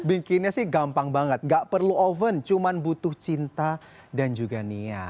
bikinnya sih gampang banget gak perlu oven cuma butuh cinta dan juga niat